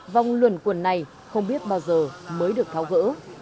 vòng luẩn quần này không biết bao giờ mới được tháo gỡ